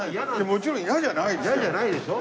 もちろん嫌じゃないですよ。